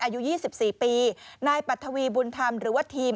อายุยี่สิบสี่ปีนายปรัฐวีบุญธรรมหรือว่าทีม